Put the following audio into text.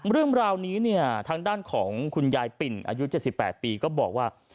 เรื่องราวนี้เนี่ยทางด้านของคุณยายปิ่นอายุ๗๘ปีก็บอกว่า